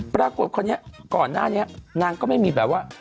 คนนี้ก่อนหน้านี้นางก็ไม่มีแบบว่า